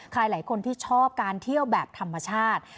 หลายคนที่ชอบการเที่ยวแบบธรรมชาติ